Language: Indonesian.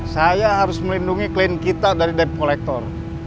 saya harus melindungi klien kita dari debt collector